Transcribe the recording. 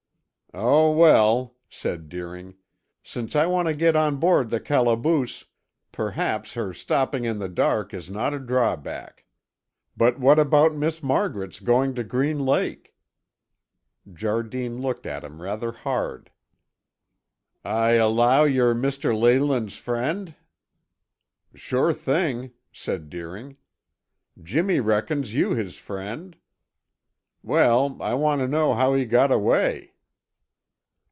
"Oh, well," said Deering, "since I want to get on board the calaboose, perhaps her stopping in the dark is not a drawback. But what about Miss Margaret's going to Green Lake?" Jardine looked at him rather hard. "I alloo ye're Mr. Leyland's friend?" "Sure thing!" said Deering. "Jimmy reckons you his friend. Well, I want to know how he got away."